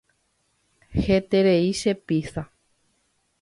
Heterei che pizza.